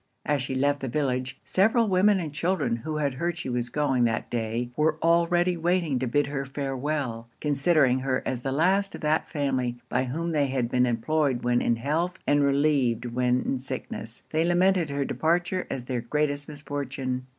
As she left the village, several women and children, who had heard she was going that day, were already waiting to bid her farewell; considering her as the last of that family, by whom they had been employed when in health, and relieved when in sickness; they lamented her departure as their greatest misfortune.